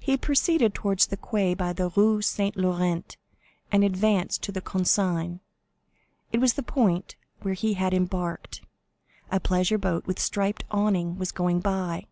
He proceeded towards the quay by the Rue Saint Laurent, and advanced to the Consigne; it was the point where he had embarked. A pleasure boat with striped awning was going by.